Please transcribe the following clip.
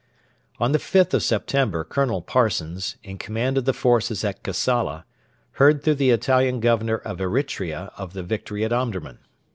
On the 5th of September Colonel Parsons, in command of the forces at Kassala, heard through the Italian Governor of Eritrea of the victory at Omdurman.